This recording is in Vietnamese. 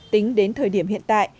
tính đến thời điểm hiện tại